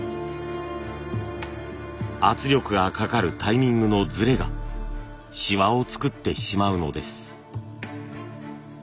圧力がかかるタイミングのずれがシワを作ってしまうのです。